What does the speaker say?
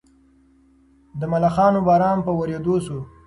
د ملخانو باران په ورېدو شو.